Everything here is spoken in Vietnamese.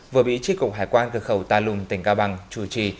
vừa bị tri cục hải quan cực khẩu ta lùng tỉnh ca bằng chủ trì